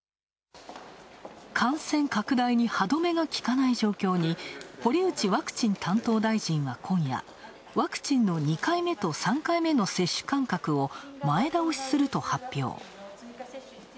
感染拡大に歯止めがきかない状況に堀内ワクチン担当大臣は、今夜ワクチンの２回目と３回目の接種間隔を前倒しすると発表。